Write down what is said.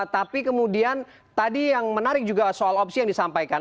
tapi kemudian tadi yang menarik juga soal opsi yang disampaikan